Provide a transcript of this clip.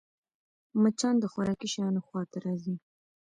مچان د خوراکي شيانو خوا ته راځي